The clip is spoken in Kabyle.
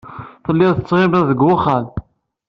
Tellid tettɣimid deg wexxam.